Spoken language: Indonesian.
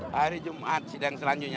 hari jumat sidang selanjutnya